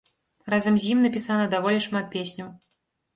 Разам з ім напісана даволі шмат песняў.